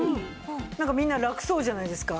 なんかみんなラクそうじゃないですか。